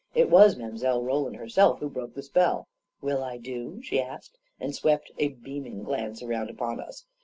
It was Mile. Roland her self who broke the spell. " Will I do ? M she asked, and swept a beaming glance round upon us.